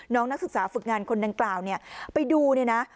นักศึกษาฝึกงานคนดังกล่าวเนี่ยไปดูเนี่ยนะ